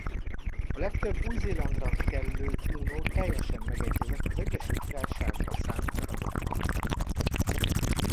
A legtöbb Új-Zélandra kerülő Uno teljesen megegyezett az Egyesült Királyságba szánt darabokkal.